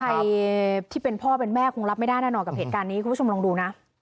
ใครที่เป็นพ่อเป็นแม่คงรับไม่ได้แน่นอนกับเหตุการณ์นี้คุณผู้ชมลองดูนะ